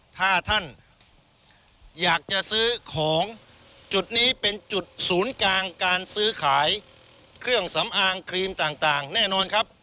ถ้าท่านอยากจะซื้อของจุดนี้เป็นจุดศูนย์กลางการซื้อขายเครื่องสำอางครีมต่างแน่นอนครับ